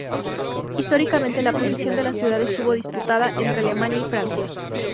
Históricamente, la posesión de la ciudad estuvo disputada entre Alemania y Francia.